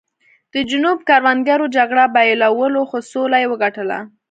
د جنوب کروندګرو جګړه بایلوله خو سوله یې وګټله.